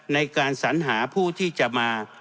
ในการสัญหาผู้ที่จะมา